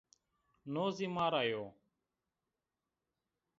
No zî ma ra yo!